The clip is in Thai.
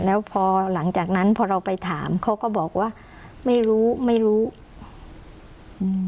แล้วพอหลังจากนั้นพอเราไปถามเขาก็บอกว่าไม่รู้ไม่รู้อืม